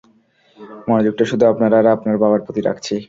মনোযোগটা শুধু আপনার আর আপনার বাবার প্রতি রাখছি।